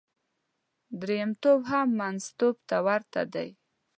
درېمګړتوب هم منځګړتوب ته ورته دی.